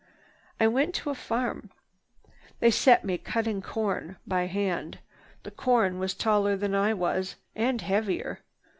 I went to a farm. They set me cutting corn, by hand. The corn was taller than I was, and heavier.